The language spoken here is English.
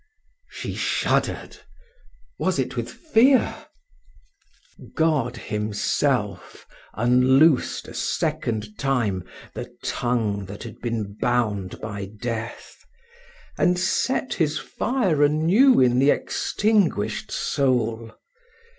She shuddered was it with fear? God Himself unloosed a second time the tongue that had been bound by death, and set His fire anew in the extinguished soul.